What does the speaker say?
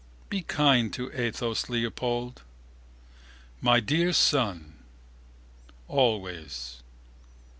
be kind to Athos, Leopold... my dear son... always...